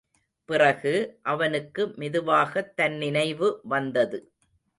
பிறகு, அவனுக்கு மெதுவாகத் தன் நினைவு வந்தது.